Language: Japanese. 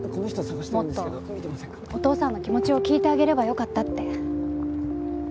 もっとお父さんの気持ちを聞いてあげればよかったって。